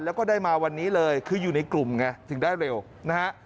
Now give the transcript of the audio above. แล้วก็ได้มาวันนี้เลยคืออยู่ในกลุ่มไงถึงได้เร็วนะฮะ